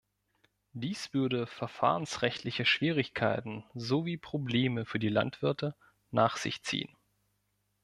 Dies würde verfahrensrechtliche Schwierigkeiten sowie Probleme für die Landwirte nach sich ziehen.